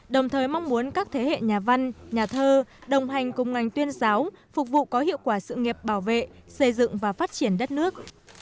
đồng thời mong muốn các thế hệ nhà văn nhà thơ đồng hành cùng ngành tuyên giáo phục vụ có hiệu quả sự nghiệp bảo vệ xây dựng và phát triển đất nước